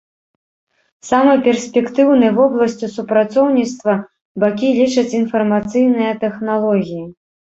Самай перспектыўнай вобласцю супрацоўніцтва бакі лічаць інфармацыйныя тэхналогіі.